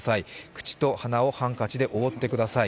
口と鼻をハンカチで覆ってください。